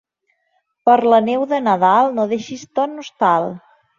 Per la neu de Nadal no deixis ton hostal.